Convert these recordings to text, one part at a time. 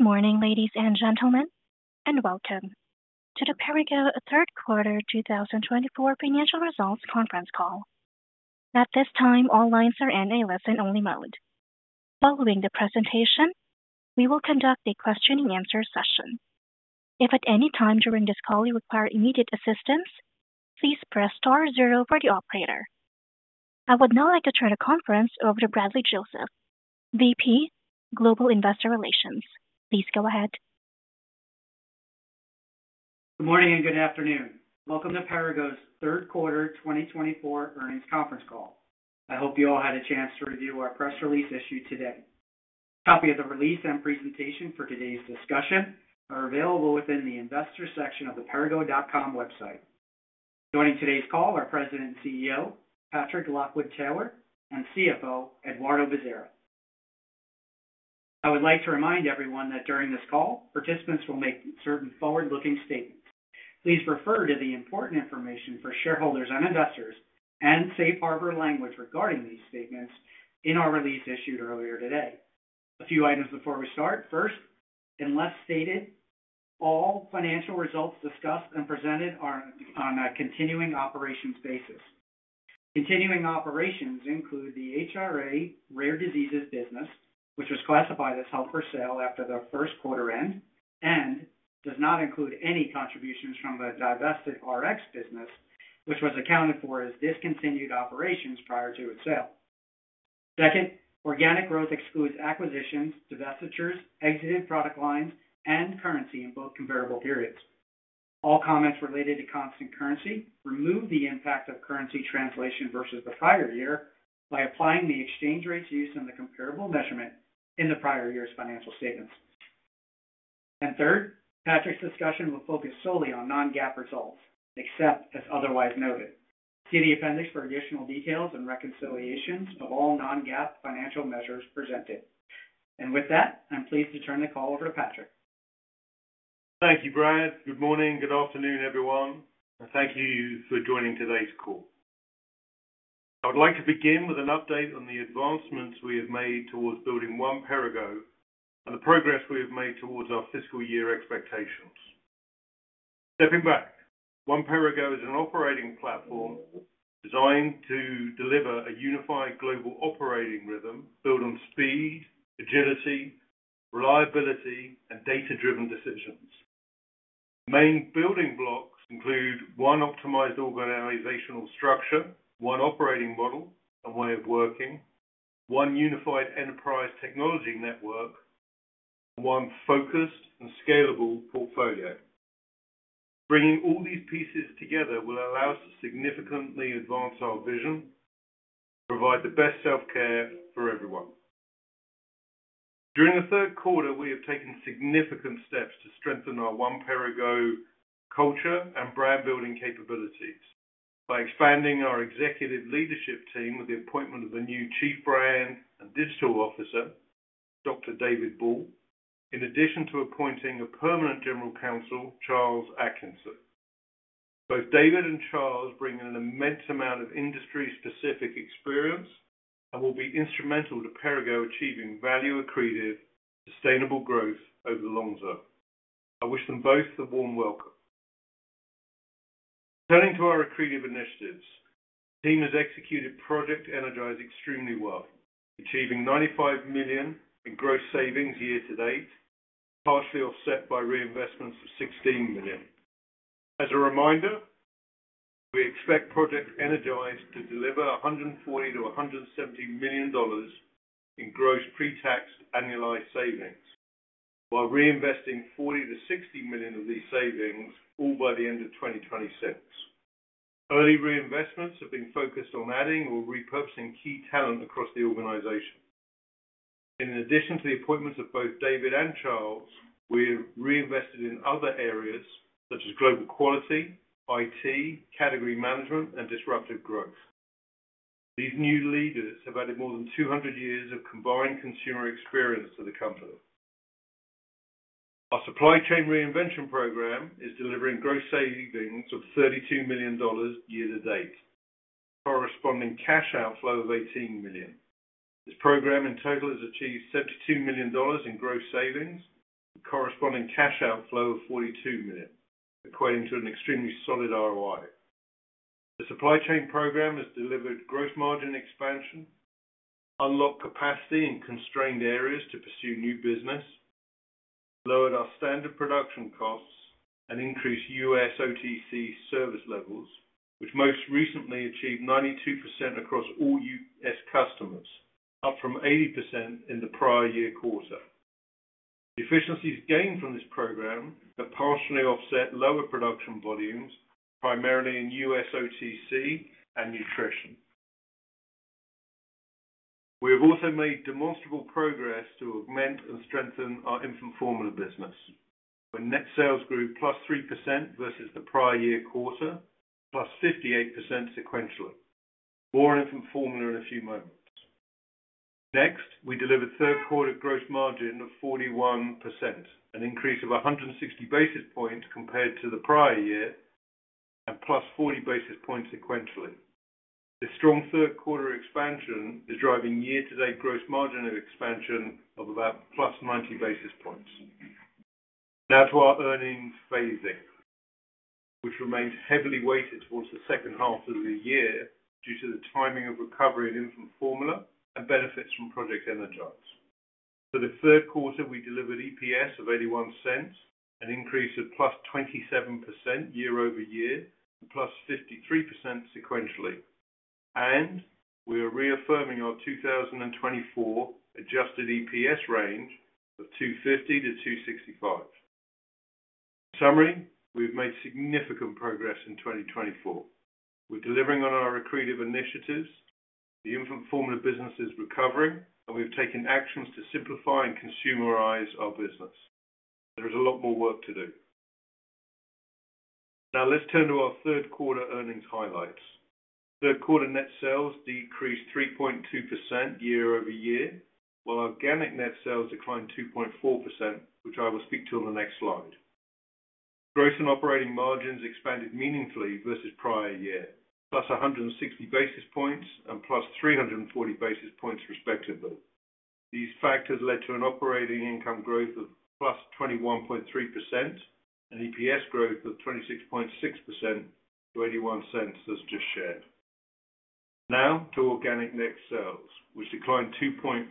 Good morning, ladies and gentlemen, and welcome to the Perrigo Q3 2024 financial results conference call. At this time, all lines are in a listen-only mode. Following the presentation, we will conduct a question-and-answer session. If at any time during this call you require immediate assistance, please press * for the operator. I would now like to turn the conference over to Bradley Joseph, VP, Global Investor Relations. Please go ahead. Good morning and good afternoon. Welcome to Perrigo's Q3 2024 earnings conference call. I hope you all had a chance to review our press release issued today. A copy of the release and presentation for today's discussion are available within the Investor section of the Perrigo.com website. Joining today's call are President and CEO Patrick Lockwood-Taylor and CFO Eduardo Bezerra. I would like to remind everyone that during this call, participants will make certain forward-looking statements. Please refer to the important information for shareholders and investors and safe harbor language regarding these statements in our release issued earlier today. A few items before we start. First, unless stated, all financial results discussed and presented are on a continuing operations basis. Continuing operations include the HRA Rare Diseases business, which was classified as held for sale after the first quarter end and does not include any contributions from the Divested Rx business, which was accounted for as discontinued operations prior to its sale. Second, organic growth excludes acquisitions, divestitures, exited product lines, and currency in both comparable periods. All comments related to constant currency remove the impact of currency translation versus the prior year by applying the exchange rates used in the comparable measurement in the prior year's financial statements. And third, Patrick's discussion will focus solely on non-GAAP results, except as otherwise noted. See the appendix for additional details and reconciliations of all non-GAAP financial measures presented. And with that, I'm pleased to turn the call over to Patrick. Thank you Brad. Good morning, good afternoon, everyone, and thank you for joining today's call. I would like to begin with an update on the advancements we have made towards building One Perrigo and the progress we have made towards our fiscal year expectations. Stepping back, One Perrigo is an operating platform designed to deliver a unified global operating rhythm built on speed, agility, reliability, and data-driven decisions. Main building blocks include one optimized organizational structure, one operating model and way of working, one unified enterprise technology network, and one focused and scalable portfolio. Bringing all these pieces together will allow us to significantly advance our vision and provide the best self-care for everyone. During the third quarter, we have taken significant steps to strengthen our One Perrigo culture and brand-building capabilities by expanding our executive leadership team with the appointment of a new Chief Brand and Digital Officer, Dr. David Ball, in addition to appointing a permanent general counsel, Charles Atkinson. Both David and Charles bring an immense amount of industry-specific experience and will be instrumental to Perrigo achieving value-accretive sustainable growth over the long term. I wish them both the warm welcome. Turning to our accretive initiatives, the team has executed Project Energize extremely well, achieving $95 million in gross savings year to date, partially offset by reinvestments of $16 million. As a reminder, we expect Project Energize to deliver $140million-$170 million in gross pre-tax annualized savings, while reinvesting $40-$60 million of these savings all by the end of 2026. Early reinvestments have been focused on adding or repurposing key talent across the organization. In addition to the appointments of both David and Charles, we have reinvested in other areas such as global quality, IT, category management, and disruptive growth. These new leaders have added more than 200 years of combined consumer experience to the company. Our Supply Chain Reinvention program is delivering gross savings of $32 million year to date, corresponding cash outflow of $18 million. This program in total has achieved $72 million in gross savings and corresponding cash outflow of $42 million, equating to an extremely solid ROI. The supply chain program has delivered gross margin expansion, unlocked capacity in constrained areas to pursue new business, lowered our standard production costs, and increased U.S. OTC service levels, which most recently achieved 92% across all U.S. customers, up from 80% in the prior year quarter. The efficiencies gained from this program have partially offset lower production volumes, primarily in U.S. OTC and nutrition. We have also made demonstrable progress to augment and strengthen our infant formula business. Our net sales grew +3% versus the prior year quarter, +58% sequentially. More on infant formula in a few moments. Next, we delivered third-quarter gross margin of 41%, an increase of 160 basis points compared to the prior year, and +40 basis points sequentially. This strong third-quarter expansion is driving year-to-date gross margin expansion of about plus 90 basis points. Now to our earnings phasing, which remains heavily weighted towards the second half of the year due to the timing of recovery in infant formula and benefits from Project Energize. For the third quarter, we delivered EPS of $0.81, an increase of +27% year-over-year, +53% sequentially. And we are reaffirming our 2024 Adjusted EPS range of $2.50 to $2.65. In summary, we have made significant progress in 2024. We're delivering on our accretive initiatives, the infant formula business is recovering, and we've taken actions to simplify and consumerize our business. There is a lot more work to do. Now let's turn to our third-quarter earnings highlights. Third-quarter net sales decreased 3.2% year-over-year, while organic net sales declined 2.4%, which I will speak to on the next slide. Gross and operating margins expanded meaningfully versus prior year, +160 basis points and plus 340 basis points respectively. These factors led to an operating income growth of +21.3% and EPS growth of 26.6% to $0.81, as just shared. Now to organic net sales, which declined 2.4%,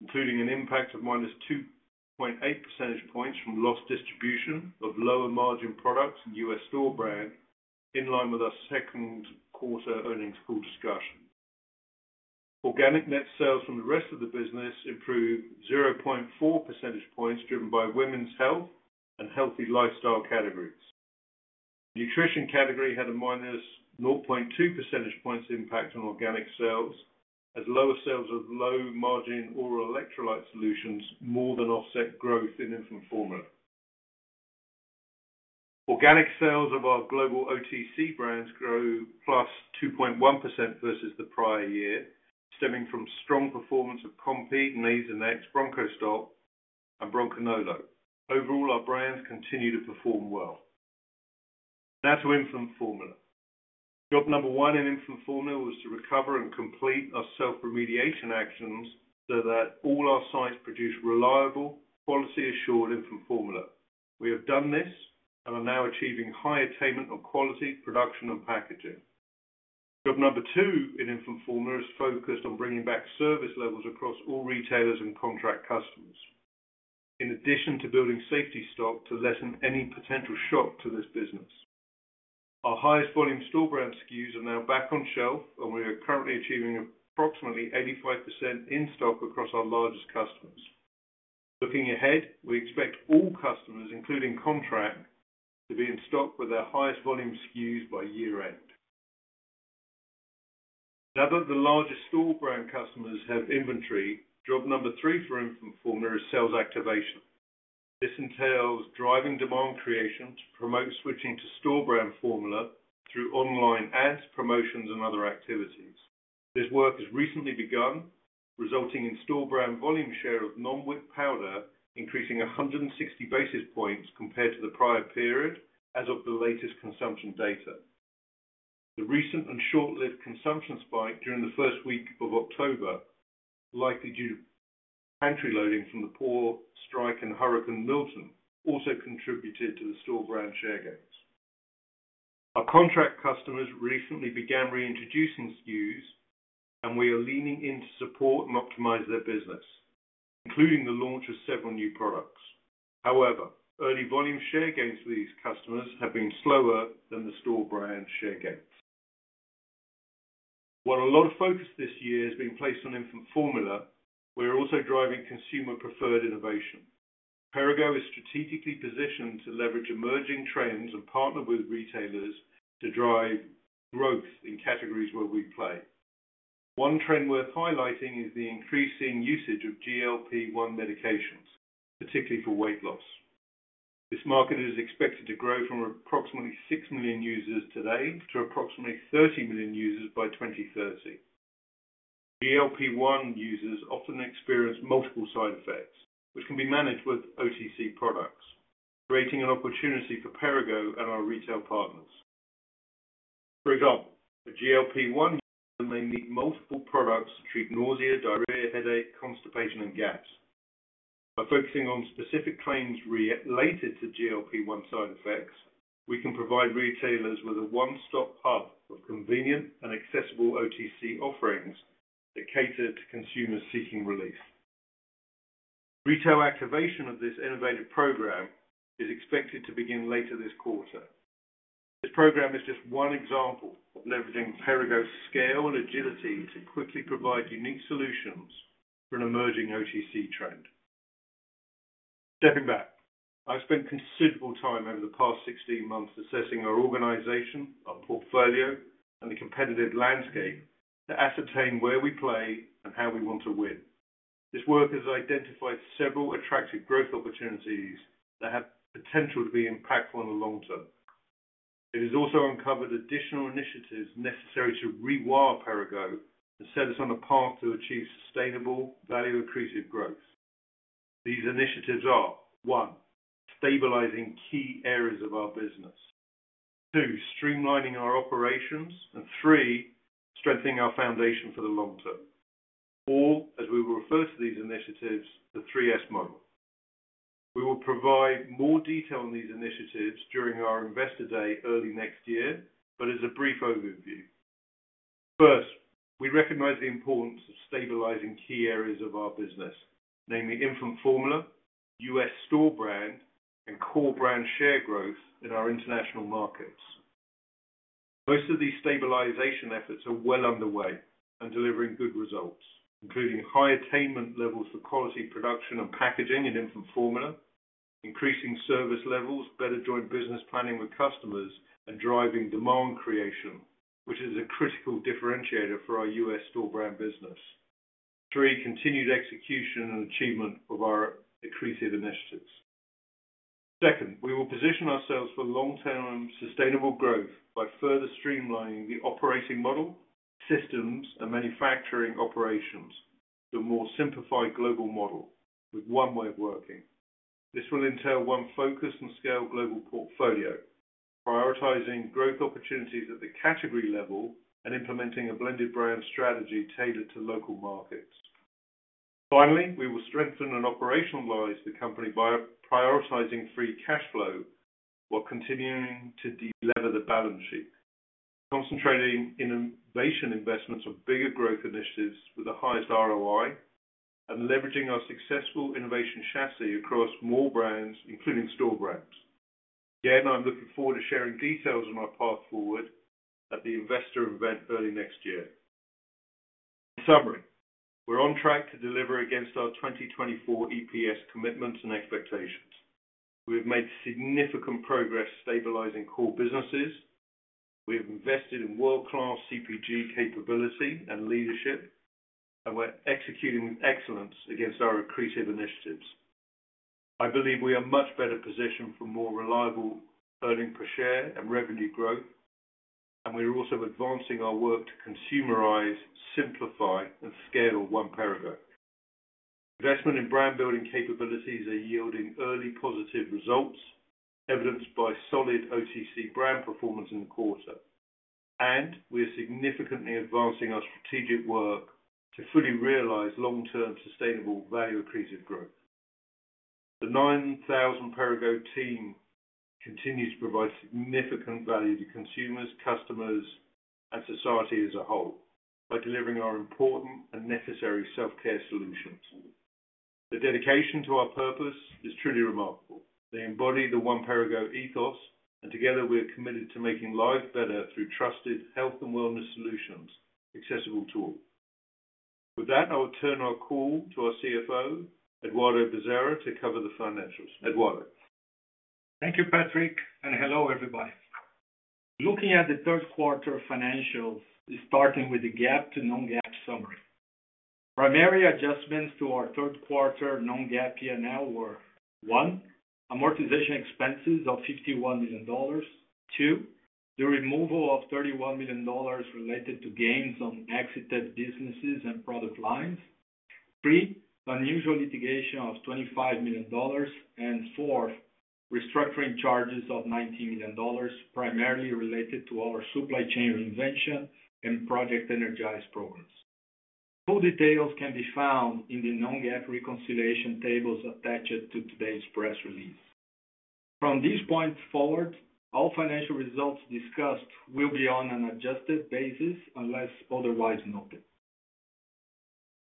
including an impact of -2.8 percentage points from loss distribution of lower margin products and U.S. store brand, in line with our second-quarter earnings call discussion. Organic net sales from the rest of the business improved 0.4 percentage points, driven by women's health and healthy lifestyle categories. The nutrition category had a minus 0.2 percentage points impact on organic sales, as lower sales of low-margin oral electrolyte solutions more than offset growth in infant formula. Organic sales of our global OTC brands grew +2.1% versus the prior year, stemming from strong performance of Compeed, Nasonex, Bronchostop, and Bronchenolo. Overall, our brands continue to perform well. Now to infant formula. Job number one in infant formula was to recover and complete our self-remediation actions so that all our sites produce reliable, quality-assured infant formula. We have done this and are now achieving high attainment of quality, production, and packaging. Job number two in infant formula is focused on bringing back service levels across all retailers and contract customers, in addition to building safety stock to lessen any potential shock to this business. Our highest volume store brand SKUs are now back on shelf, and we are currently achieving approximately 85% in stock across our largest customers. Looking ahead, we expect all customers, including contract, to be in stock with their highest volume SKUs by year-end. Now that the largest store brand customers have inventory, job number three for infant formula is sales activation. This entails driving demand creation to promote switching to store brand formula through online ads, promotions, and other activities. This work has recently begun, resulting in store brand volume share of non-whipped powder increasing 160 basis points compared to the prior period as of the latest consumption data. The recent and short-lived consumption spike during the first week of October, likely due to pantry loading from the port strike and Hurricane Milton, also contributed to the store brand share gains. Our contract customers recently began reintroducing SKUs, and we are leaning in to support and optimize their business, including the launch of several new products. However, early volume share gains for these customers have been slower than the store brand share gains. While a lot of focus this year has been placed on infant formula, we are also driving consumer-preferred innovation. Perrigo is strategically positioned to leverage emerging trends and partner with retailers to drive growth in categories where we play. One trend worth highlighting is the increasing usage of GLP-1 medications, particularly for weight loss. This market is expected to grow from approximately 6 million users today to approximately 30 million users by 2030. GLP-1 users often experience multiple side effects, which can be managed with OTC products, creating an opportunity for Perrigo and our retail partners. For example, a GLP-1 user may need multiple products to treat nausea, diarrhea, headache, constipation, and gas. By focusing on specific trends related to GLP-1 side effects, we can provide retailers with a one-stop hub of convenient and accessible OTC offerings that cater to consumers seeking relief. Retail activation of this innovative program is expected to begin later this quarter. This program is just one example of leveraging Perrigo's scale and agility to quickly provide unique solutions for an emerging OTC trend. Stepping back, I've spent considerable time over the past 16 months assessing our organization, our portfolio, and the competitive landscape to ascertain where we play and how we want to win. This work has identified several attractive growth opportunities that have potential to be impactful in the long term. It has also uncovered additional initiatives necessary to rewire Perrigo and set us on a path to achieve sustainable value-accretive growth. These initiatives are: one, stabilizing key areas of our business, two, streamlining our operations, and three, strengthening our foundation for the long term, or, as we will refer to these initiatives, the 3S Model. We will provide more detail on these initiatives during our investor day early next year, but as a brief overview. First, we recognize the importance of stabilizing key areas of our business, namely infant formula, US store brand, and core brand share growth in our international markets. Most of these stabilization efforts are well underway and delivering good results, including high attainment levels for quality production and packaging in infant formula, increasing service levels, better joint business planning with customers, and driving demand creation, which is a critical differentiator for our U.S. store brand business, and three, continued execution and achievement of our accretive initiatives. Second, we will position ourselves for long-term sustainable growth by further streamlining the operating model, systems, and manufacturing operations to a more simplified global model with one way of working. This will entail one focused and scaled global portfolio, prioritizing growth opportunities at the category level and implementing a blended brand strategy tailored to local markets. Finally, we will strengthen and operationalize the company by prioritizing free cash flow while continuing to delever the balance sheet, concentrating innovation investments on bigger growth initiatives with the highest ROI and leveraging our successful innovation chassis across more brands, including store brands. Again, I'm looking forward to sharing details on our path forward at the investor event early next year. In summary, we're on track to deliver against our 2024 EPS commitments and expectations. We have made significant progress stabilizing core businesses. We have invested in world-class CPG capability and leadership, and we're executing with excellence against our accretive initiatives. I believe we are much better positioned for more reliable earnings per share and revenue growth, and we are also advancing our work to consumerize, simplify, and scale One Perrigo. Investment in brand-building capabilities are yielding early positive results, evidenced by solid OTC brand performance in the quarter. We are significantly advancing our strategic work to fully realize long-term sustainable value-accretive growth. The 9,000 Perrigo team continues to provide significant value to consumers, customers, and society as a whole by delivering our important and necessary self-care solutions. The dedication to our purpose is truly remarkable. They embody the One Perrigo ethos, and together we are committed to making life better through trusted health and wellness solutions accessible to all. With that, I will turn our call to our CFO, Eduardo Bezerra, to cover the financials. Eduardo. Thank you, Patrick, and hello, everybody. Looking at the third-quarter financials, starting with the GAAP to non-GAAP summary. Primary adjustments to our third-quarter non-GAAP P&L were: one, amortization expenses of $51 million, two, the removal of $31 million related to gains on exited businesses and product lines, three, unusual litigation of $25 million, and four, restructuring charges of $19 million, primarily related to our Supply Chain Reinvention and Project Energize programs. Full details can be found in the non-GAAP reconciliation tables attached to today's press release. From these points forward, all financial results discussed will be on an adjusted basis unless otherwise noted.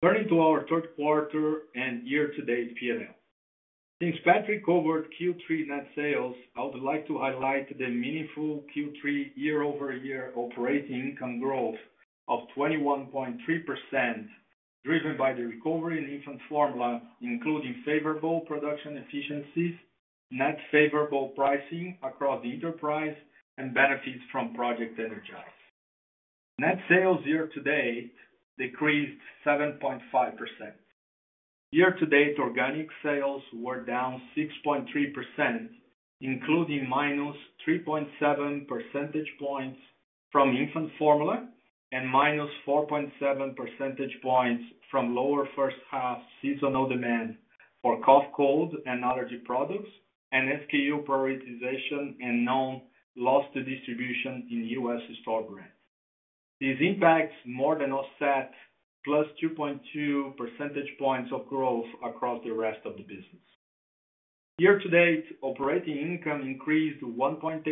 Turning to our third-quarter and year-to-date P&L. Since Patrick covered Q3 net sales, I would like to highlight the meaningful Q3 year-over-year operating income growth of 21.3%, driven by the recovery in infant formula, including favorable production efficiencies, net favorable pricing across the enterprise, and benefits from Project Energize. Net sales year-to-date decreased 7.5%. Year-to-date organic sales were down 6.3%, including minus 3.7 percentage points from infant formula and minus 4.7 percentage points from lower first-half seasonal demand for cough cold and allergy products and SKU prioritization and non-loss distribution in US store brands. These impacts more than offset plus 2.2 percentage points of growth across the rest of the business. Year-to-date operating income increased 1.8%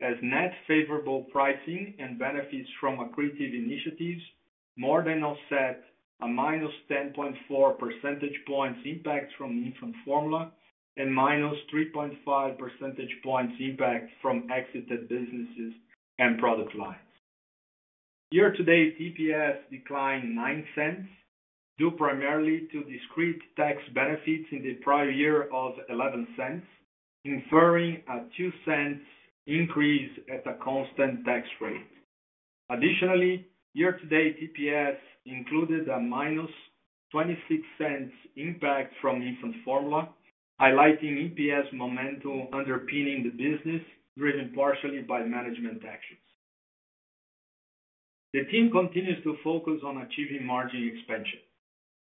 as net favorable pricing and benefits from accretive initiatives more than offset a minus 10.4 percentage points impact from infant formula and minus 3.5 percentage points impact from exited businesses and product lines. Year-to-date EPS declined $0.09 due primarily to discrete tax benefits in the prior year of $0.11, inferring a $0.02 increase at a constant tax rate. Additionally, year-to-date EPS included a minus $0.26 impact from infant formula, highlighting EPS momentum underpinning the business, driven partially by management actions. The team continues to focus on achieving margin expansion.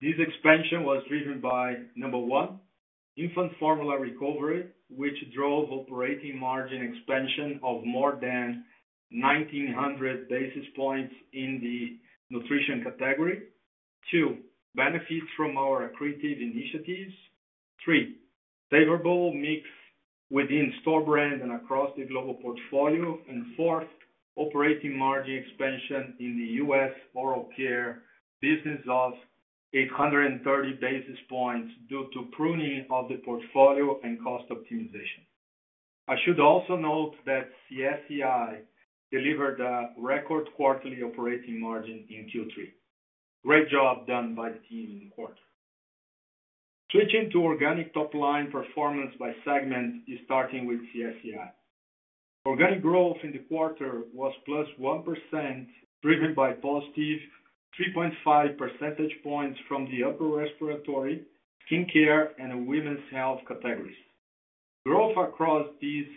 This expansion was driven by, number one, infant formula recovery, which drove operating margin expansion of more than 1,900 basis points in the nutrition category, two, benefits from our accretive initiatives, three, favorable mix within store brand and across the global portfolio, and fourth, operating margin expansion in the U.S. oral care business of 830 basis points due to pruning of the portfolio and cost optimization. I should also note that CSCI delivered a record quarterly operating margin in Q3. Great job done by the team in the quarter. Switching to organic top-line performance by segment is starting with CSCI. Organic growth in the quarter was +1%, driven by +3.5 percentage points from the upper respiratory, skincare, and women's health categories. Growth across these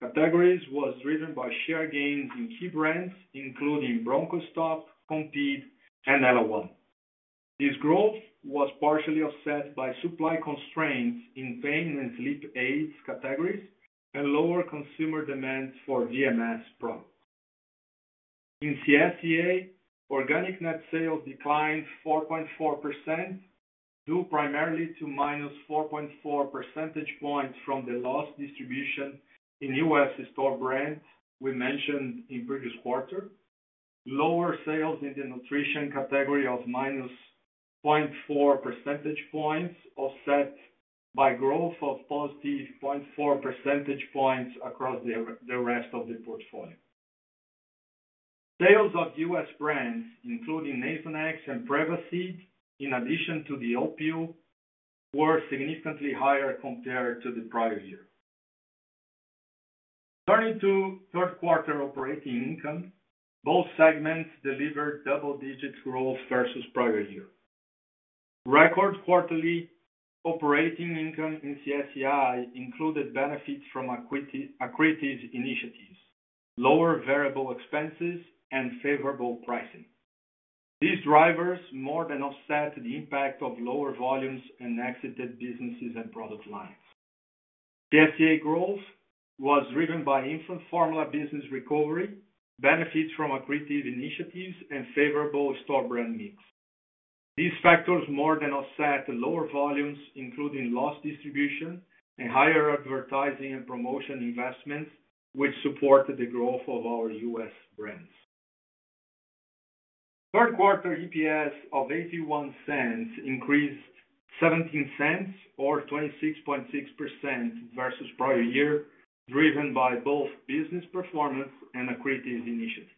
categories was driven by share gains in key brands, including Bronchostop, Compeed, and ellaOne. This growth was partially offset by supply constraints in pain and sleep aids categories and lower consumer demand for VMS products. In CSCI, organic net sales declined 4.4% due primarily to minus 4.4 percentage points from the loss distribution in U.S. store brands we mentioned in previous quarter. Lower sales in the nutrition category of -0.4 percentage points offset by growth of +0.4 percentage points across the rest of the portfolio. Sales of U.S. brands, including Nasonex and Prevacid, in addition to the Opill, were significantly higher compared to the prior year. Turning to third-quarter operating income, both segments delivered double-digit growth versus prior year. Record quarterly operating income in CSCI included benefits from accretive initiatives, lower variable expenses, and favorable pricing. These drivers more than offset the impact of lower volumes and exited businesses and product lines. CSCI growth was driven by infant formula business recovery, benefits from accretive initiatives, and favorable store brand mix. These factors more than offset lower volumes, including loss distribution and higher advertising and promotion investments, which supported the growth of our U.S.brands. Third quarter EPS of $0.81 increased $0.17, or 26.6% versus prior year, driven by both business performance and accretive initiatives.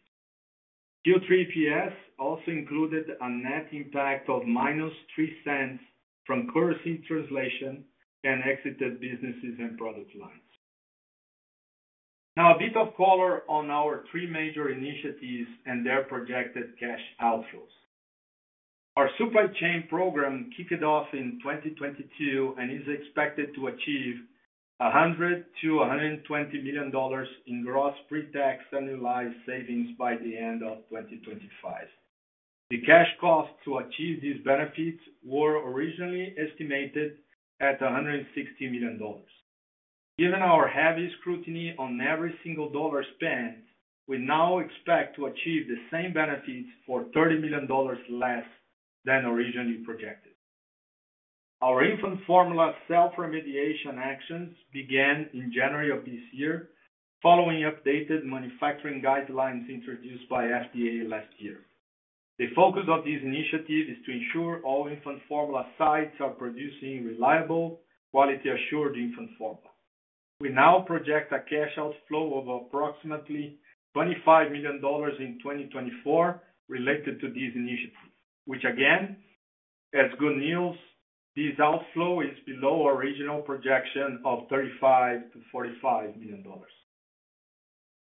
Q3 EPS also included a net impact of -$0.03 from currency translation and exited businesses and product lines. Now, a bit of color on our three major initiatives and their projected cash outflows. Our supply chain program kicked off in 2022 and is expected to achieve $100million-$120 million in gross pre-tax annualized savings by the end of 2025. The cash costs to achieve these benefits were originally estimated at $160 million. Given our heavy scrutiny on every single dollar spent, we now expect to achieve the same benefits for $30 million less than originally projected. Our infant formula self-remediation actions began in January of this year, following updated manufacturing guidelines introduced by FDA last year. The focus of this initiative is to ensure all infant formula sites are producing reliable, quality-assured infant formula. We now project a cash outflow of approximately $25 million in 2024 related to these initiatives, which, again, as good news, this outflow is below our original projection of $35million-$45 million.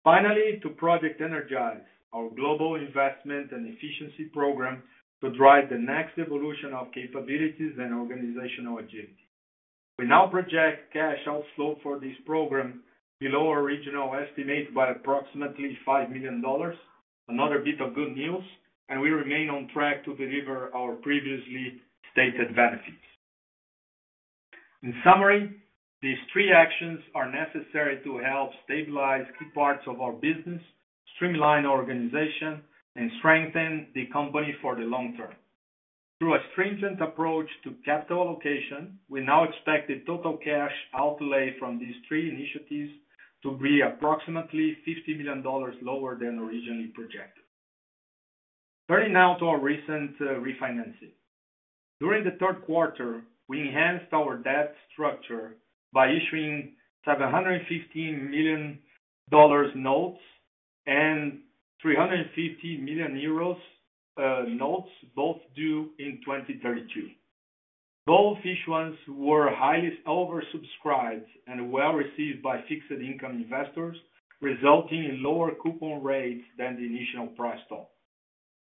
Finally, to Project Energize, our global investment and efficiency program to drive the next evolution of capabilities and organizational agility. We now project cash outflow for this program below our original estimate by approximately $5 million. Another bit of good news, and we remain on track to deliver our previously stated benefits. In summary, these three actions are necessary to help stabilize key parts of our business, streamline our organization, and strengthen the company for the long term. Through a stringent approach to capital allocation, we now expect the total cash outlay from these three initiatives to be approximately $50 million lower than originally projected. Turning now to our recent refinancing. During the third quarter, we enhanced our debt structure by issuing $715 million notes and 350 million euros notes, both due in 2032. Both issuances were highly oversubscribed and well received by fixed income investors, resulting in lower coupon rates than the initial price target.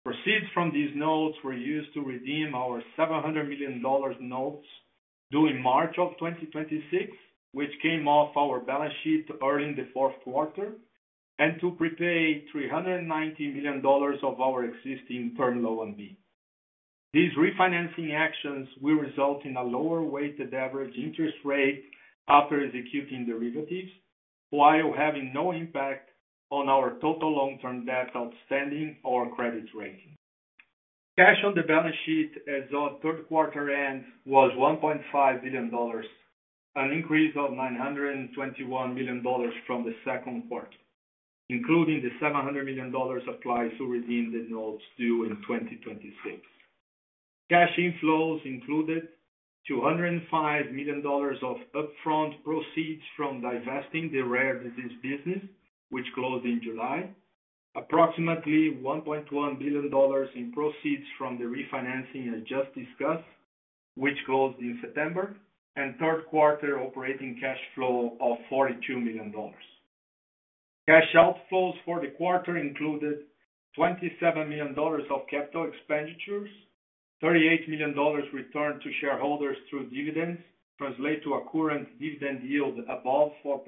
Proceeds from these notes were used to redeem our $700 million notes due in March of 2026, which came off our balance sheet early in the fourth quarter, and to prepay $390 million of our existing Term Loan B. These refinancing actions will result in a lower weighted average interest rate after executing derivatives, while having no impact on our total long-term debt outstanding or credit rating. Cash on the balance sheet as of third quarter end was $1.5 billion, an increase of $921 million from the second quarter, including the $700 million applied to redeem the notes due in 2026. Cash inflows included $205 million of upfront proceeds from divesting the rare disease business, which closed in July, approximately $1.1 billion in proceeds from the refinancing I just discussed, which closed in September, and third quarter operating cash flow of $42 million. Cash outflows for the quarter included $27 million of capital expenditures, $38 million returned to shareholders through dividends translated to a current dividend yield above 4%,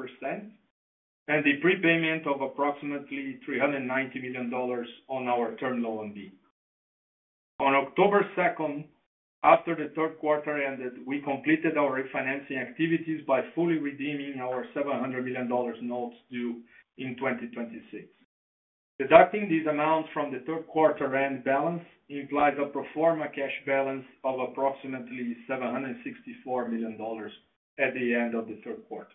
and the prepayment of approximately $390 million on our Term Loan B. On October 2nd, after the third quarter ended, we completed our refinancing activities by fully redeeming our $700 million notes due in 2026. Deducting these amounts from the third quarter end balance implies a pro forma cash balance of approximately $764 million at the end of the third quarter.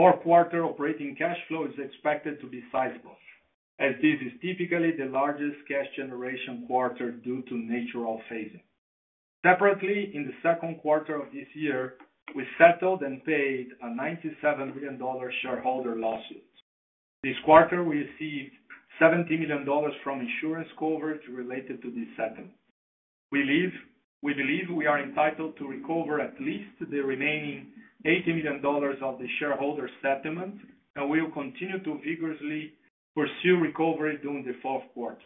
Next, fourth quarter operating cash flow is expected to be sizable, as this is typically the largest cash generation quarter due to natural phasing. Separately, in the second quarter of this year, we settled and paid a $97 million shareholder lawsuit. This quarter, we received $70 million from insurance coverage related to this settlement. We believe we are entitled to recover at least the remaining $80 million of the shareholder settlement, and we will continue to vigorously pursue recovery during the fourth quarter.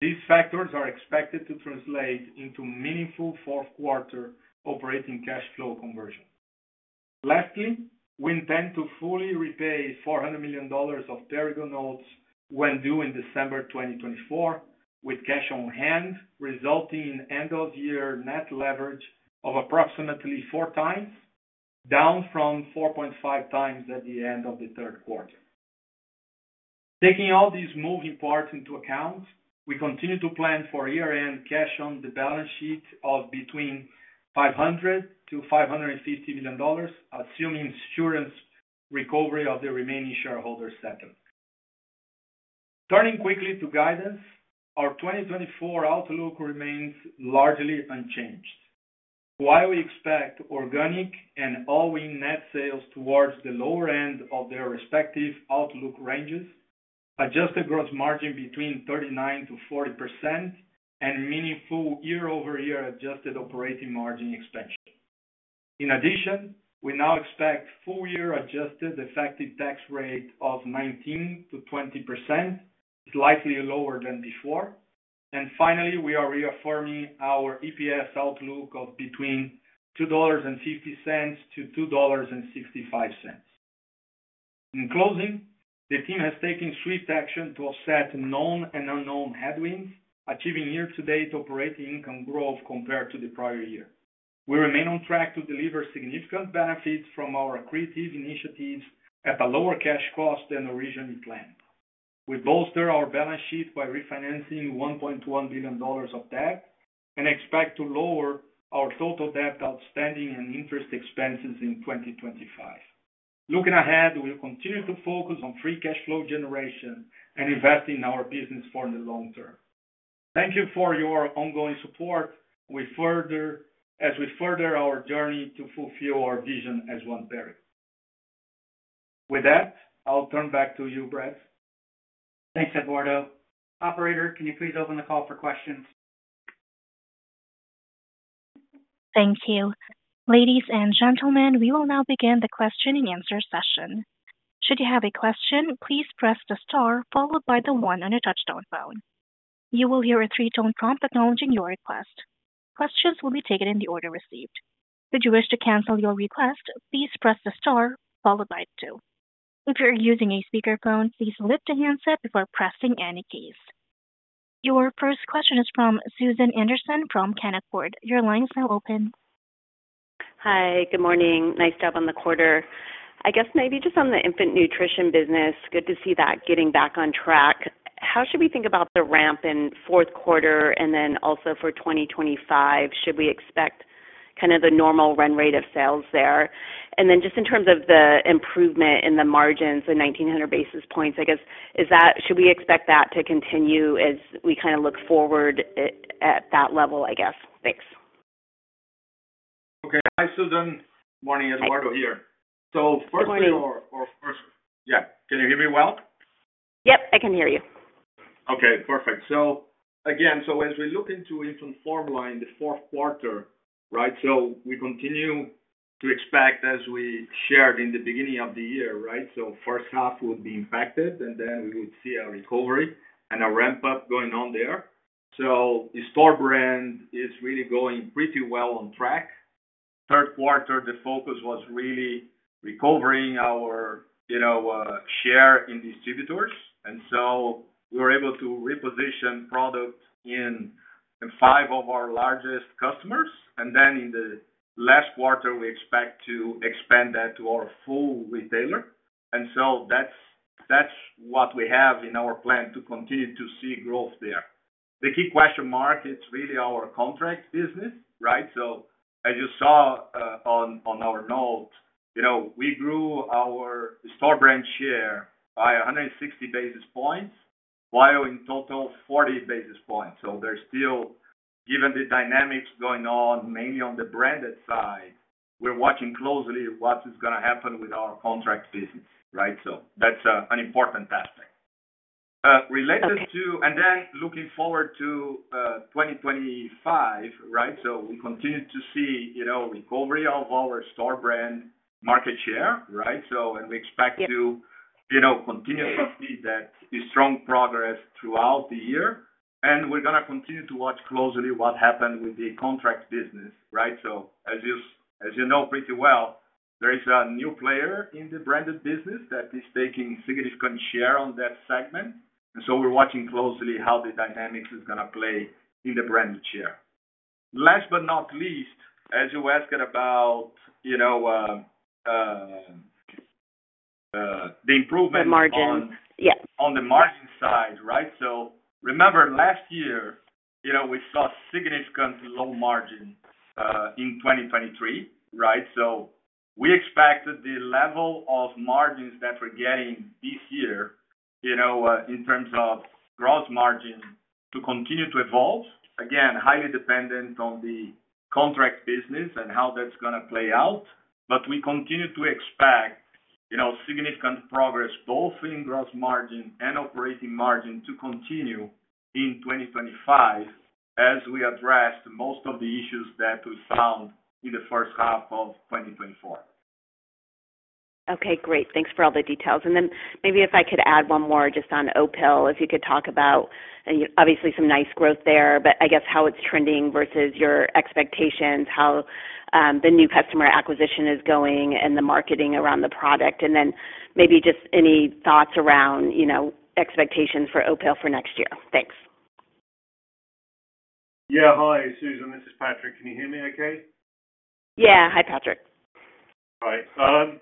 These factors are expected to translate into meaningful fourth quarter operating cash flow conversion. Lastly, we intend to fully repay $400 million of Perrigo notes when due in December 2024, with cash on hand resulting in end-of-year net leverage of approximately four times, down from 4.5 times at the end of the third quarter. Taking all these moving parts into account, we continue to plan for year-end cash on the balance sheet of between $500million-$550 million, assuming insurance recovery of the remaining shareholder settlement. Turning quickly to guidance, our 2024 outlook remains largely unchanged. While we expect organic and all-in net sales towards the lower end of their respective outlook ranges, adjusted gross margin between 39%-40%, and meaningful year-over-year adjusted operating margin expansion. In addition, we now expect full-year adjusted effective tax rate of 19%-20%, slightly lower than before. And finally, we are reaffirming our EPS outlook of between $2.50-$2.65. In closing, the team has taken swift action to offset known and unknown headwinds, achieving year-to-date operating income growth compared to the prior year. We remain on track to deliver significant benefits from our accretive initiatives at a lower cash cost than originally planned. We bolster our balance sheet by refinancing $1.1 billion of debt and expect to lower our total debt outstanding and interest expenses in 2025. Looking ahead, we'll continue to focus on free cash flow generation and invest in our business for the long term. Thank you for your ongoing support as we further our journey to fulfill our vision as One Perrigo. With that, I'll turn back to you, Brad. Thanks Eduardo. Operator, can you please open the call for questions? Thank you. Ladies and gentlemen, we will now begin the question and answer session. Should you have a question, please press the star followed by the one on your touch-tone phone. You will hear a three-tone prompt acknowledging your request. Questions will be taken in the order received. If you wish to cancel your request, please press the star followed by two. If you're using a speakerphone, please lift the handset before pressing any keys. Your first question is from Susan Anderson from Canaccord Genuity. Your line is now open. Hi, good morning. Nice job on the quarter. I guess maybe just on the infant nutrition business, good to see that getting back on track. How should we think about the ramp in fourth quarter and then also for 2025? Should we expect kind of the normal run rate of sales there? And then just in terms of the improvement in the margins, the 1,900 basis points, I guess, should we expect that to continue as we kind of look forward at that level, I guess? Thanks. Okay. Hi, Susan. Good morning, Eduardo here. First, yeah, can you hear me well? Yep, I can hear you. Okay, perfect. So again, so as we look into infant formula in the fourth quarter, right, so we continue to expect, as we shared in the beginning of the year, right, so first half would be impacted, and then we would see a recovery and a ramp-up going on there. So the store brand is really going pretty well on track. Third quarter, the focus was really recovering our share in distributors. And so we were able to reposition product in five of our largest customers. And then in the last quarter, we expect to expand that to our full retailer. And so that's what we have in our plan to continue to see growth there. The key question mark, it's really our contract business, right? So as you saw on our note, we grew our store brand share by 160 basis points while in total 40 basis points. So there's still, given the dynamics going on mainly on the branded side, we're watching closely what is going to happen with our contract business, right? So that's an important aspect. Related to, and then looking forward to 2025, right, so we continue to see recovery of our store brand market share, right? So and we expect to continue to see that strong progress throughout the year. And we're going to continue to watch closely what happened with the contract business, right? So as you know pretty well, there is a new player in the branded business that is taking significant share on that segment. And so we're watching closely how the dynamics is going to play in the branded share. Last but not least, as you asked about the improvement. The margins, yes. On the margin side, right? So remember, last year, we saw significant low margin in 2023, right? So we expected the level of margins that we're getting this year in terms of gross margin to continue to evolve, again, highly dependent on the contract business and how that's going to play out. But we continue to expect significant progress both in gross margin and operating margin to continue in 2025 as we addressed most of the issues that we found in the first half of 2024. Okay, great. Thanks for all the details. And then maybe if I could add one more just on Opill, if you could talk about, obviously, some nice growth there, but I guess how it's trending versus your expectations, how the new customer acquisition is going and the marketing around the product. And then maybe just any thoughts around expectations for Opill for next year. Thanks. Yeah, hi, Susan. This is Patrick. Can you hear me okay? Yeah, hi, Patrick. All right.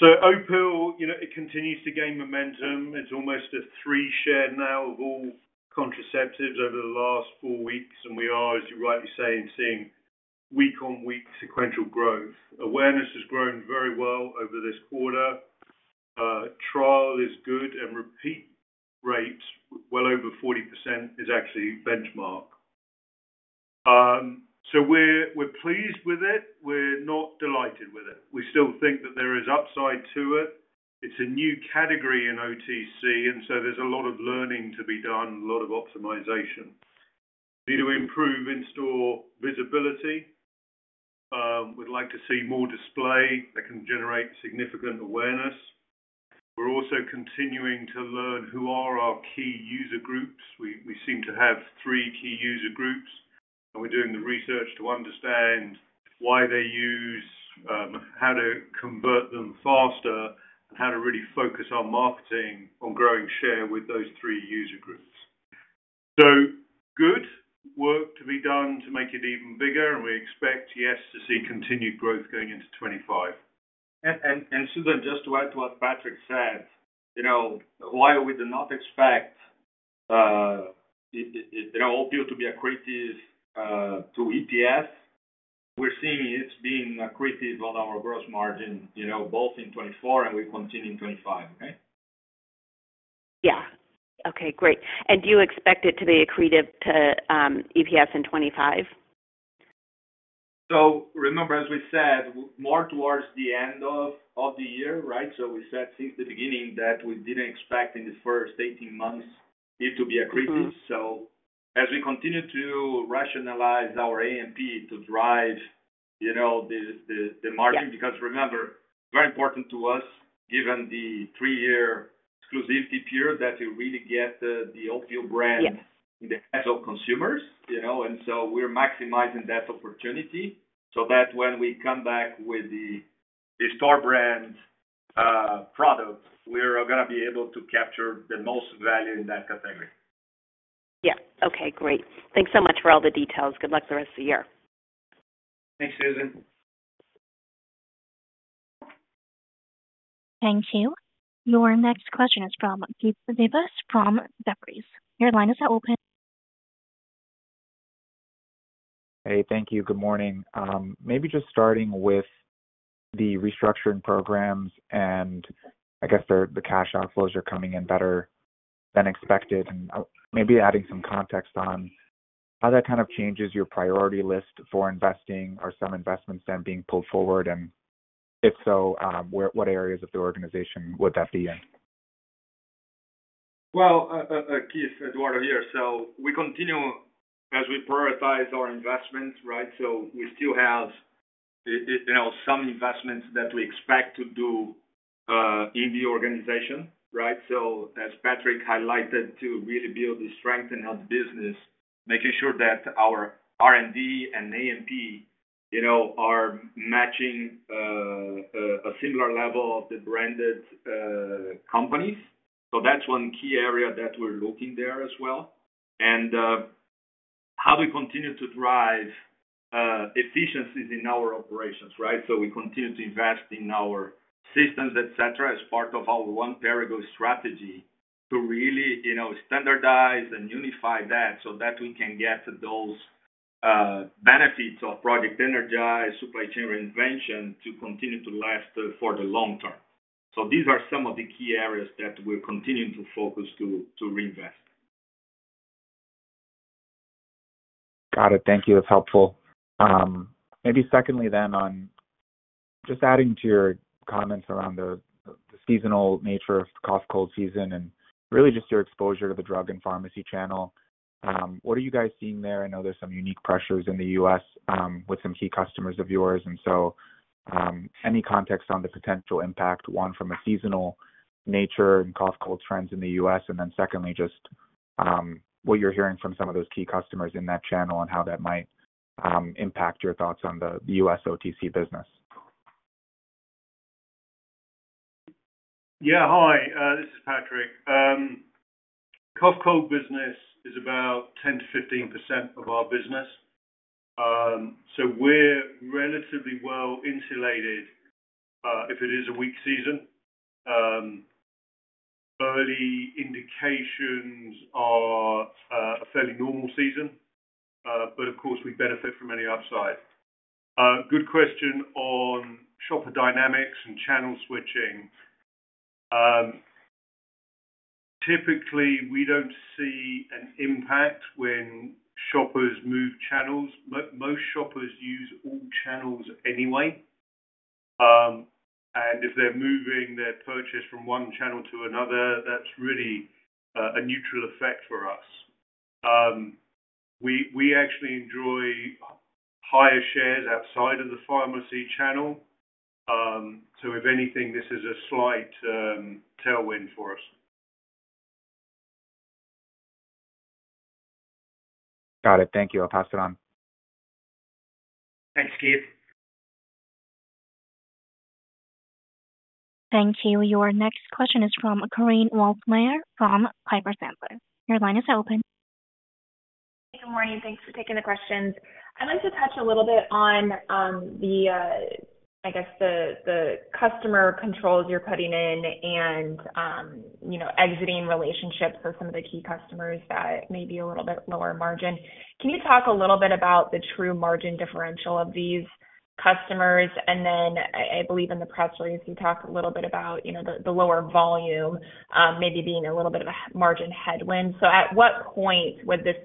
So Opill, it continues to gain momentum. It's almost a three-share now of all contraceptives over the last four weeks. And we are, as you rightly say, seeing week-on-week sequential growth. Awareness has grown very well over this quarter. Trial is good, and repeat rates well over 40% is actually benchmark. So we're pleased with it. We're not delighted with it. We still think that there is upside to it. It's a new category in OTC, and so there's a lot of learning to be done, a lot of optimization. We need to improve in-store visibility. We'd like to see more display that can generate significant awareness. We're also continuing to learn who are our key user groups. We seem to have three key user groups, and we're doing the research to understand why they use, how to convert them faster, and how to really focus our marketing on growing share with those three user groups. So good work to be done to make it even bigger, and we expect, yes, to see continued growth going into 2025. And Susan, just to add to what Patrick said, while we do not expect Opill to be accretive to EPS, we're seeing it's being accretive on our gross margin both in 2024 and we continue in 2025, okay? Yeah. Okay, great. And do you expect it to be accretive to EPS in 2025? So remember, as we said, more towards the end of the year, right? So we said since the beginning that we didn't expect in the first 18 months it to be accretive. So as we continue to rationalize our A&P to drive the margin, because remember, very important to us, given the three-year exclusivity period, that you really get the Opill brand in the hands of consumers. And so we're maximizing that opportunity so that when we come back with the store brand product, we're going to be able to capture the most value in that category. Yeah. Okay, great. Thanks so much for all the details. Good luck the rest of the year. Thanks, Susan. Thank you. Your next question is from Keith Davis from CFRA Research. Your line is now open. Hey, thank you. Good morning. Maybe just starting with the restructuring programs and I guess the cash outflows are coming in better than expected. And maybe adding some context on how that kind of changes your priority list for investing or some investments that are being pulled forward. And if so, what areas of the organization would that be in? Well, Keith, Eduardo here. So we continue as we prioritize our investments, right? So we still have some investments that we expect to do in the organization, right? So as Patrick highlighted, to really build the strength and health business, making sure that our R&D and A&P are matching a similar level of the branded companies. So that's one key area that we're looking there as well. And how do we continue to drive efficiencies in our operations, right? So we continue to invest in our systems, etc., as part of our One Perrigo strategy to really standardize and unify that so that we can get those benefits of Project Energize, Supply Chain Reinvention to continue to last for the long term. So these are some of the key areas that we're continuing to focus to reinvest. Got it. Thank you. That's helpful. Maybe secondly then on just adding to your comments around the seasonal nature of the cough cold season and really just your exposure to the drug and pharmacy channel. What are you guys seeing there? I know there's some unique pressures in the U.S. with some key customers of yours. And so any context on the potential impact, one from a seasonal nature and cough cold trends in the U.S.? And then, secondly, just what you're hearing from some of those key customers in that channel and how that might impact your thoughts on the U.S. OTC business. Yeah, hi. This is Patrick. Cough cold business is about 10%-15% of our business. So we're relatively well insulated if it is a weak season. Early indications are a fairly normal season. But of course, we benefit from any upside. Good question on shopper dynamics and channel switching. Typically, we don't see an impact when shoppers move channels. Most shoppers use all channels anyway. And if they're moving their purchase from one channel to another, that's really a neutral effect for us. We actually enjoy higher shares outside of the pharmacy channel. So if anything, this is a slight tailwind for us. Got it. Thank you. I'll pass it on. Thanks, Keith. Thank you. Your next question is from Korinne Wolfmeyer from Piper Sandler. Your line is open. Hey, good morning. Thanks for taking the questions. I'd like to touch a little bit on the, I guess, the customer controls you're putting in and exiting relationships with some of the key customers that may be a little bit lower margin. Can you talk a little bit about the true margin differential of these customers? And then I believe in the press release, you talked a little bit about the lower volume maybe being a little bit of a margin headwind. So at what point would this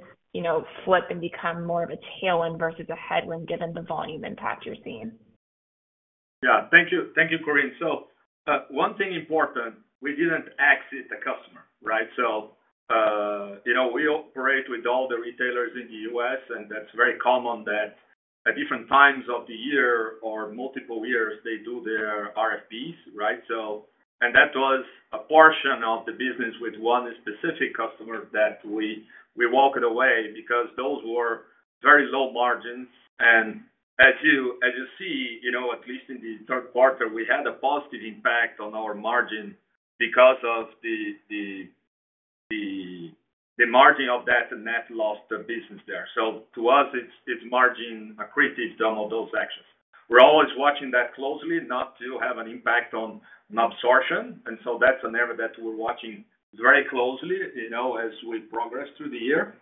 flip and become more of a tailwind versus a headwind given the volume impact you're seeing? Yeah. Thank you, Korinne. So one thing important, we didn't exit the customer, right? So we operate with all the retailers in the U.S., and that's very common that at different times of the year or multiple years, they do their RFPs, right? And that was a portion of the business with one specific customer that we walked away because those were very low margins. And as you see, at least in the third quarter, we had a positive impact on our margin because of the margin of that net loss business there. So to us, it's margin accretive done on those actions. We're always watching that closely not to have an impact on absorption. And so that's an area that we're watching very closely as we progress through the year.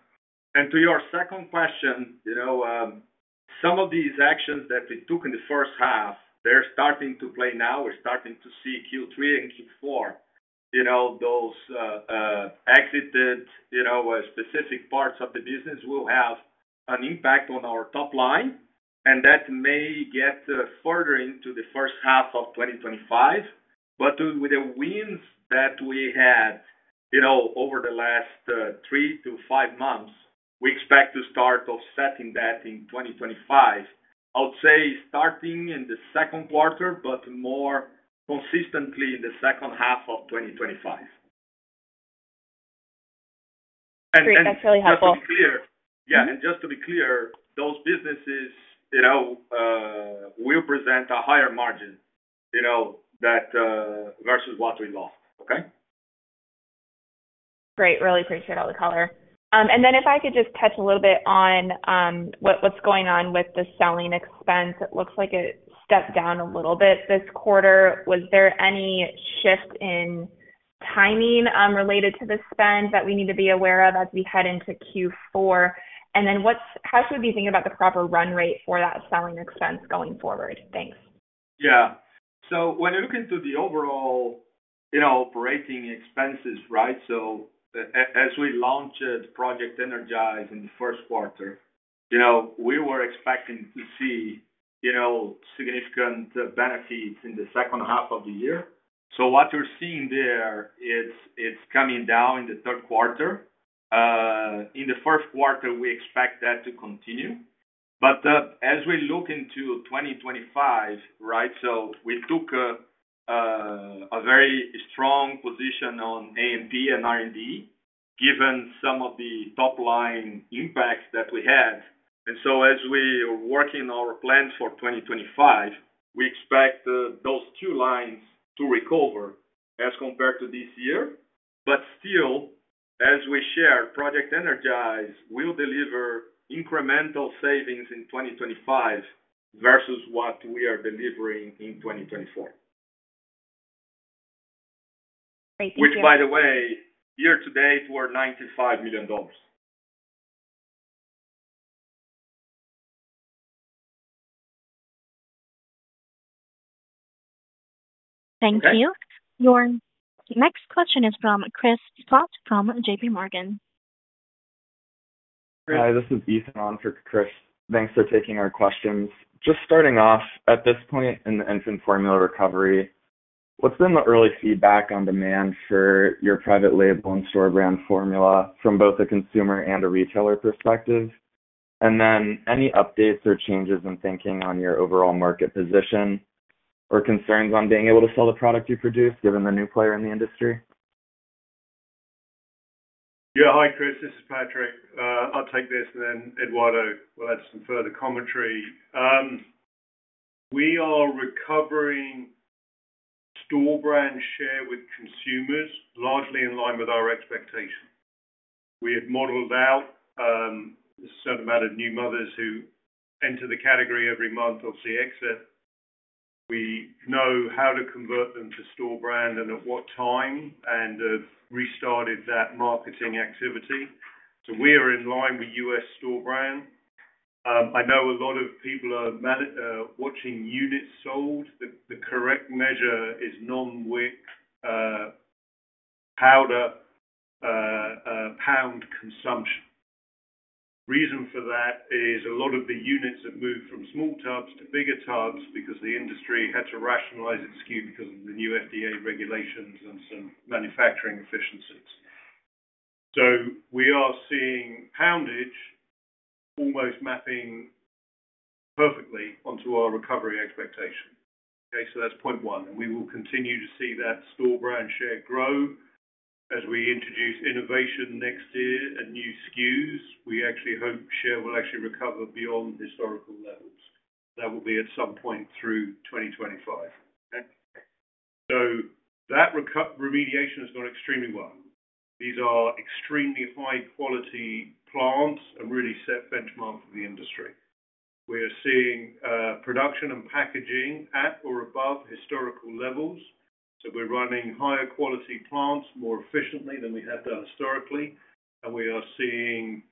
And to your second question, some of these actions that we took in the first half, they're starting to play now. We're starting to see Q3 and Q4. Those exited specific parts of the business will have an impact on our top line, and that may get further into the first half of 2025. But with the wins that we had over the last three to five months, we expect to start offsetting that in 2025. I would say starting in the second quarter, but more consistently in the second half of 2025. And that's really helpful. Yeah. And just to be clear, those businesses will present a higher margin versus what we lost, okay? Great. Really appreciate all the color. And then if I could just touch a little bit on what's going on with the selling expense. It looks like it stepped down a little bit this quarter. Was there any shift in timing related to the spend that we need to be aware of as we head into Q4? And then how should we be thinking about the proper run rate for that selling expense going forward? Thanks. Yeah. So when you look into the overall operating expenses, right, so as we launched Project Energize in the first quarter, we were expecting to see significant benefits in the second half of the year. So what you're seeing there, it's coming down in the third quarter. In the first quarter, we expect that to continue. But as we look into 2025, right, so we took a very strong position on A&P and R&D given some of the top-line impacts that we had. And so as we are working our plans for 2025, we expect those two lines to recover as compared to this year. But still, as we share, Project Energize will deliver incremental savings in 2025 versus what we are delivering in 2024. Which, by the way, year to date, we're $95 million. Thank you. Your next question is from Chris Schott from JPMorgan. Hi, this is Ethan on for Chris. Thanks for taking our questions. Just starting off at this point in the infant formula recovery, what's been the early feedback on demand for your private label and store brand formula from both a consumer and a retailer perspective? And then any updates or changes in thinking on your overall market position or concerns on being able to sell the product you produce given the new player in the industry? Yeah. Hi, Chris. This is Patrick. I'll take this, and then Eduardo will add some further commentary. We are recovering store brand share with consumers largely in line with our expectation. We had modeled out a certain amount of new mothers who enter the category every month or see exit. We know how to convert them to store brand and at what time and have restarted that marketing activity. So we are in line with U.S. store brand. I know a lot of people are watching units sold. The correct measure is net weight powder pound consumption. Reason for that is a lot of the units have moved from small tubs to bigger tubs because the industry had to rationalize its SKU because of the new FDA regulations and some manufacturing efficiencies. So we are seeing poundage almost mapping perfectly onto our recovery expectation. Okay? So that's point one. And we will continue to see that store brand share grow as we introduce innovation next year and new SKUs. We actually hope share will actually recover beyond historical levels. That will be at some point through 2025. Okay? So that remediation has gone extremely well. These are extremely high-quality plants and really set benchmark for the industry. We are seeing production and packaging at or above historical levels. So we're running higher quality plants more efficiently than we have done historically. And we are seeing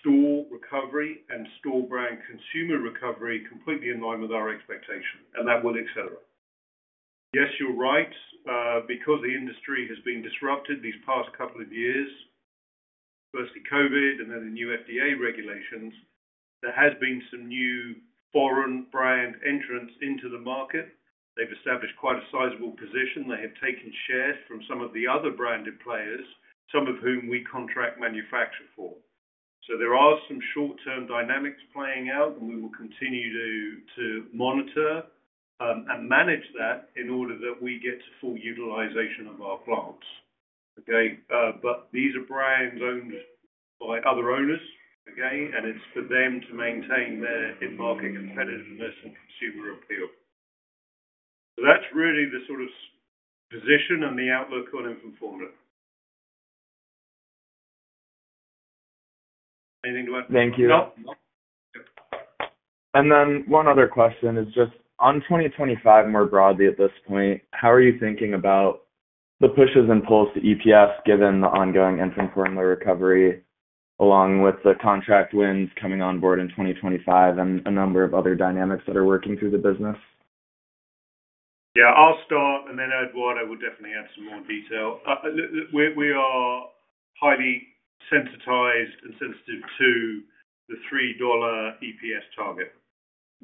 store recovery and store brand consumer recovery completely in line with our expectation. And that will accelerate. Yes, you're right. Because the industry has been disrupted these past couple of years, firstly, COVID, and then the new FDA regulations, there has been some new foreign brand entrance into the market. They've established quite a sizable position. They have taken shares from some of the other branded players, some of whom we contract manufacture for. So there are some short-term dynamics playing out, and we will continue to monitor and manage that in order that we get to full utilization of our plants. Okay? These are brands owned by other owners. Okay? And it's for them to maintain their in-market competitiveness and consumer appeal. That's really the sort of position and the outlook on infant formula. Anything to add? Thank you. One other question is just on 2025 more broadly at this point, how are you thinking about the pushes and pulls to EPS given the ongoing infant formula recovery along with the contract wins coming on board in 2025 and a number of other dynamics that are working through the business? Yeah. I'll start, and then Eduardo will definitely add some more detail. We are highly sensitized and sensitive to the $3 EPS target.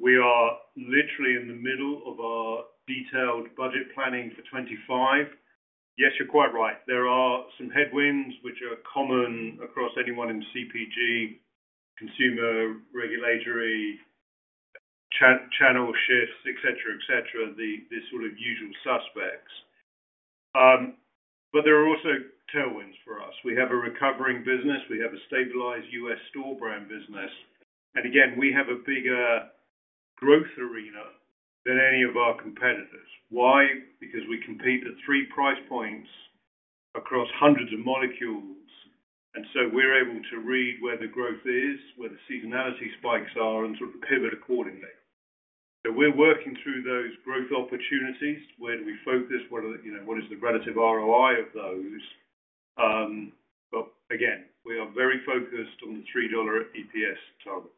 We are literally in the middle of our detailed budget planning for 2025. Yes, you're quite right. There are some headwinds which are common across anyone in CPG, consumer regulatory channel shifts, etc., etc., these sort of usual suspects. But there are also tailwinds for us. We have a recovering business. We have a stabilized U.S. store brand business. And again, we have a bigger growth arena than any of our competitors. Why? Because we compete at three price points across hundreds of molecules. And so we're able to read where the growth is, where the seasonality spikes are, and sort of pivot accordingly. So we're working through those growth opportunities. Where do we focus? What is the relative ROI of those? But again, we are very focused on the $3 EPS target.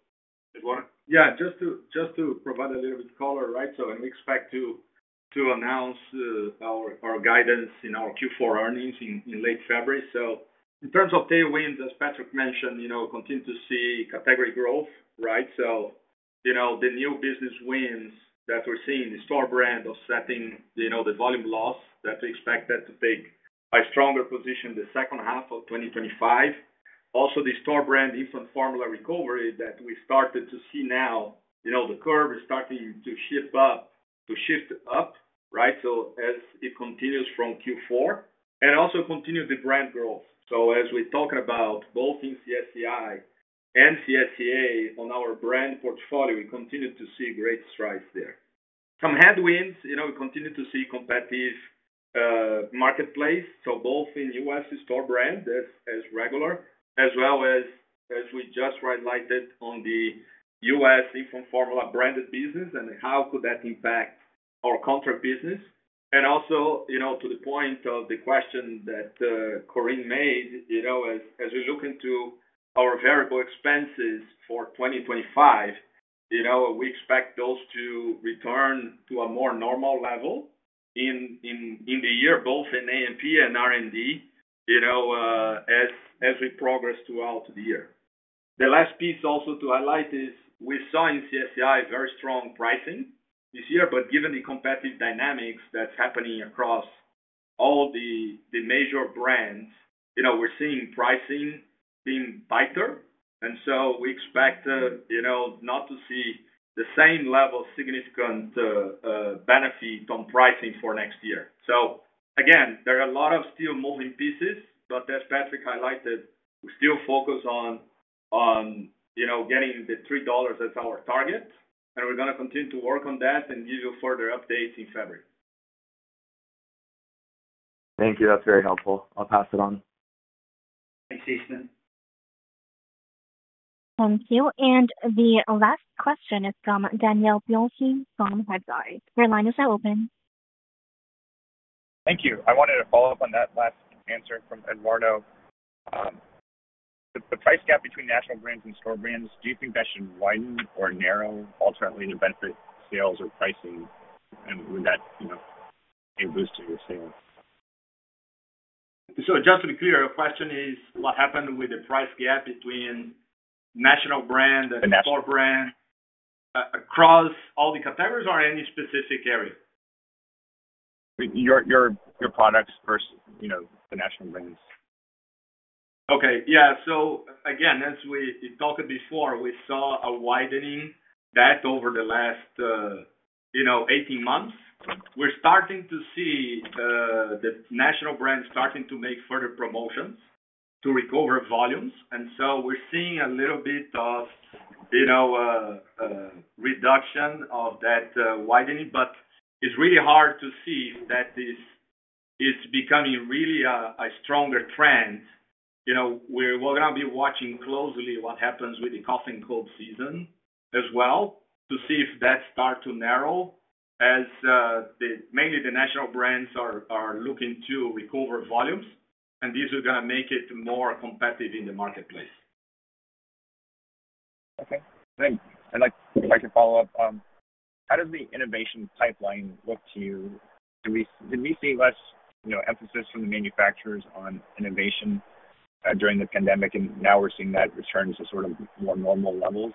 Eduardo? Yeah. Just to provide a little bit color, right? So we expect to announce our guidance in our Q4 earnings in late February. So in terms of tailwinds, as Patrick mentioned, continue to see category growth, right? So the new business wins that we're seeing, the store brand offsetting the volume loss that we expect that to take a stronger position the second half of 2025. Also, the store brand infant formula recovery that we started to see now, the curve is starting to shift up, right? So as it continues from Q4, and also continue the brand growth. So as we talk about both in CSCI and CSCA on our brand portfolio, we continue to see great strides there. Some headwinds. We continue to see competitive marketplace. So both in U.S. store brand as regular, as well as, as we just highlighted on the U.S. infant formula branded business, and how could that impact our contract business. And also, to the point of the question that Korinne made, as we look into our variable expenses for 2025, we expect those to return to a more normal level in the year, both in A&P and R&D as we progress throughout the year. The last piece also to highlight is we saw in CSCI very strong pricing this year, but given the competitive dynamics that's happening across all the major brands, we're seeing pricing being tighter. And so we expect not to see the same level of significant benefit on pricing for next year. So again, there are a lot of still moving pieces, but as Patrick highlighted, we still focus on getting the $3 as our target. And we're going to continue to work on that and give you further updates in February. Thank you. That's very helpful. I'll pass it on. Thanks, Ethan. Thank you. And the last question is from Daniel Biolsi from Hedgeye. Your line is now open. Thank you. I wanted to follow up on that last answer from Eduardo. The price gap between national brands and store brands, do you think that should widen or narrow, alternatively to benefit sales or pricing? And would that be a boost to your sales? So just to be clear, your question is what happened with the price gap between national brand and store brand across all the categories or any specific area? Your products versus the national brands. Okay. Yeah. So again, as we talked before, we saw a widening that over the last 18 months. We're starting to see the national brand starting to make further promotions to recover volumes. And so we're seeing a little bit of reduction of that widening, but it's really hard to see if that is becoming really a stronger trend. We're going to be watching closely what happens with the cough and cold season as well to see if that starts to narrow as mainly the national brands are looking to recover volumes, and these are going to make it more competitive in the marketplace. Okay. Thanks. And if I could follow up, how does the innovation pipeline look to you? Did we see less emphasis from the manufacturers on innovation during the pandemic, and now we're seeing that return to sort of more normal levels?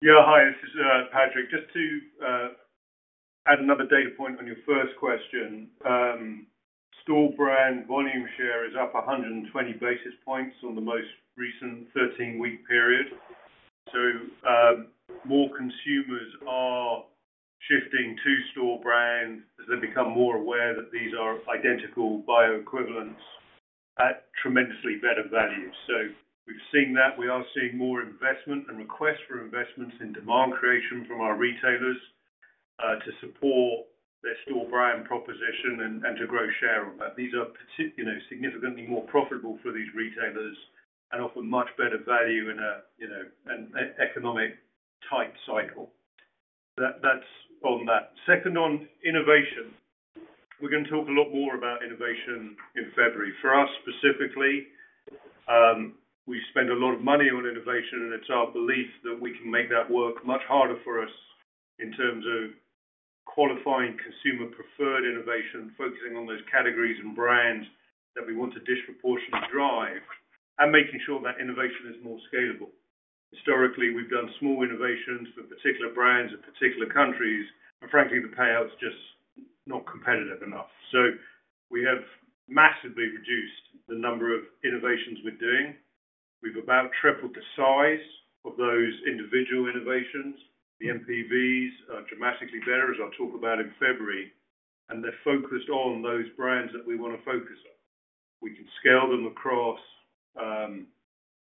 Yeah. Hi, this is Patrick. Just to add another data point on your first question, store brand volume share is up 120 basis points on the most recent 13-week period. So more consumers are shifting to store brands as they become more aware that these are identical bioequivalents at tremendously better value. So we've seen that. We are seeing more investment and requests for investments in demand creation from our retailers to support their store brand proposition and to grow share of that. These are significantly more profitable for these retailers and offer much better value in an economic tight cycle. That's on that. Second on innovation, we're going to talk a lot more about innovation in February. For us specifically, we spend a lot of money on innovation, and it's our belief that we can make that work much harder for us in terms of qualifying consumer-preferred innovation, focusing on those categories and brands that we want to disproportionately drive, and making sure that innovation is more scalable. Historically, we've done small innovations for particular brands in particular countries, and frankly, the payouts are just not competitive enough. So we have massively reduced the number of innovations we're doing. We've about tripled the size of those individual innovations. The NPVs are dramatically better, as I'll talk about in February, and they're focused on those brands that we want to focus on. We can scale them across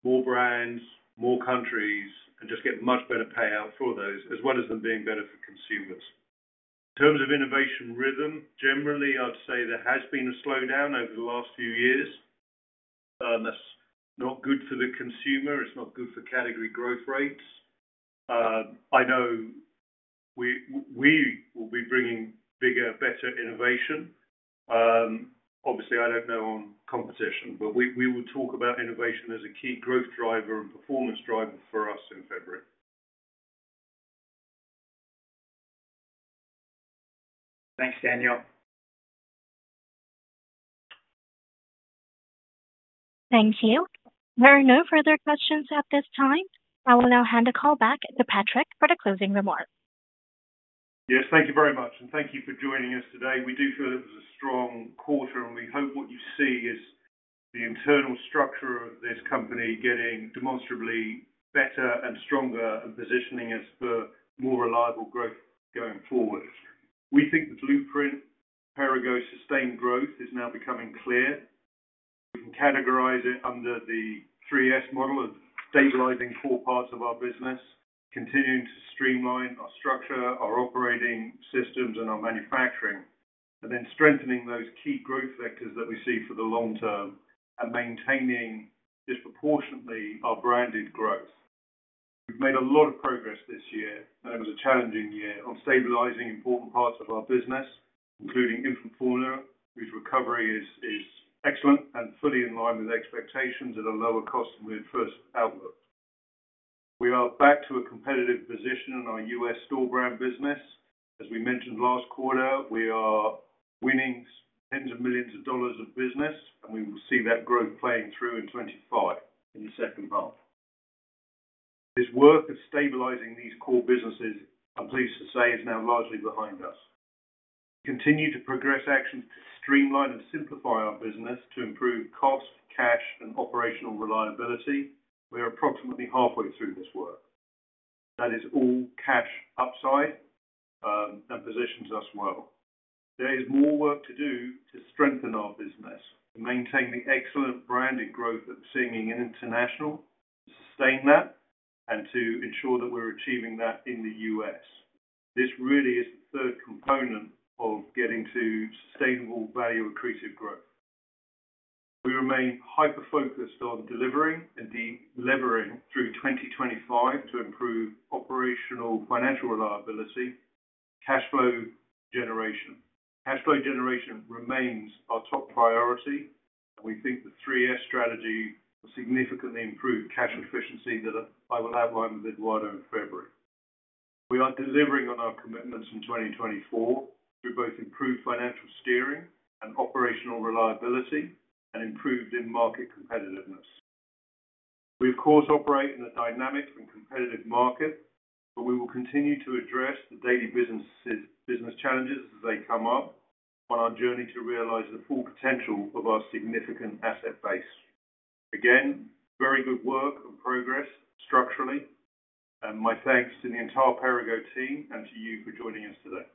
more brands, more countries, and just get much better payout for those, as well as them being better for consumers. In terms of innovation rhythm, generally, I'd say there has been a slowdown over the last few years. That's not good for the consumer. It's not good for category growth rates. I know we will be bringing bigger, better innovation. Obviously, I don't know on competition, but we will talk about innovation as a key growth driver and performance driver for us in February. Thanks, Dani. Thank you. There are no further questions at this time. I will now hand the call back to Patrick for the closing remarks. Yes. Thank you very much. And thank you for joining us today. We do feel it was a strong quarter, and we hope what you see is the internal structure of this company getting demonstrably better and stronger and positioning us for more reliable growth going forward. We think the blueprint, Perrigo's sustained growth, is now becoming clear. We can categorize it under the 3S Model of stabilizing core parts of our business, continuing to streamline our structure, our operating systems, and our manufacturing, and then strengthening those key growth vectors that we see for the long term and maintaining disproportionately our branded growth. We've made a lot of progress this year, and it was a challenging year on stabilizing important parts of our business, including infant formula, whose recovery is excellent and fully in line with expectations at a lower cost than we had first outlooked. We are back to a competitive position in our U.S. store brand business. As we mentioned last quarter, we are winning tens of millions of dollars of business, and we will see that growth playing through in 2025 in the second half. This work of stabilizing these core businesses, I'm pleased to say, is now largely behind us. We continue to progress actions to streamline and simplify our business to improve cost, cash, and operational reliability. We are approximately halfway through this work. That is all cash upside and positions us well. There is more work to do to strengthen our business, to maintain the excellent branded growth that we're seeing in international, to sustain that, and to ensure that we're achieving that in the U.S. This really is the third component of getting to sustainable value-accretive growth. We remain hyper-focused on delivering and delivering through 2025 to improve operational financial reliability, cash flow generation. Cash flow generation remains our top priority, and we think the 3S strategy will significantly improve cash efficiency that I will outline with Eduardo in February. We are delivering on our commitments in 2024 through both improved financial steering and operational reliability and improved in-market competitiveness. We, of course, operate in a dynamic and competitive market, but we will continue to address the daily business challenges as they come up on our journey to realize the full potential of our significant asset base. Again, very good work and progress structurally, and my thanks to the entire Perrigo team and to you for joining us today.